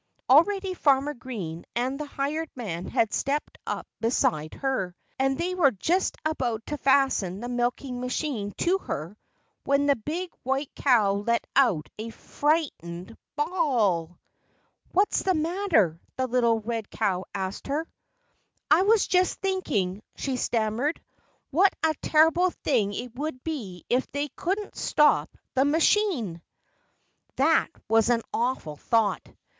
Already Farmer Green and the hired man had stepped up beside her. And they were just about to fasten the milking machine to her when the big white cow let out a frightened bawl. "What's the matter?" the little red cow asked her. "I was just thinking," she stammered, "what a terrible thing it would be if they couldn't stop the machine!" That was an awful thought.